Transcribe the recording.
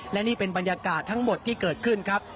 และนี่เป็นบรรยากาศทั้งหมดที่เกิดขึ้นครับ